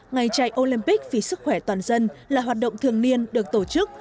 ngày chạy olympic vì sức khỏe toàn dân là hoạt động thường niên được tổ chức